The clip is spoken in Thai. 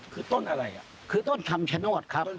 คือต้นอะไรอ่ะคือต้นคำชโนธครับ